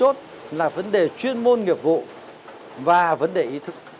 tốt là vấn đề chuyên môn nghiệp vụ và vấn đề ý thức